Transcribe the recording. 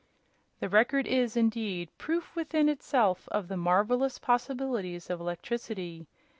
"The Record is, indeed, proof within itself of the marvelous possibilities of electricity.